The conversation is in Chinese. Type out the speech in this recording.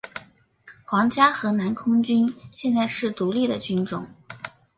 皇家荷兰空军现在是独立的军种。